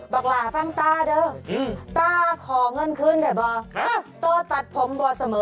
บักหล่าสร้างคุณตาได้